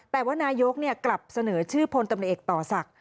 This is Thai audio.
แต่ว่านายกกลับเสนอชื่อพลตำรวจเอกต่อศักดิ์